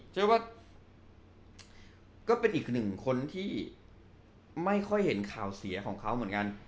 เชื่อว่าก็เป็นอีกหนึ่งคนที่ไม่ค่อยเห็นข่าวเสียของเขาเหมือนกัน